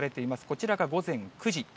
こちらが午前９時。